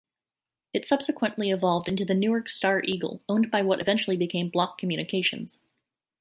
It subsequently evolved into the "Newark Star-Eagle", owned by what eventually became Block Communications.